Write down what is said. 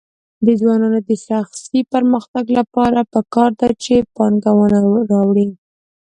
د ځوانانو د شخصي پرمختګ لپاره پکار ده چې پانګونه راوړي.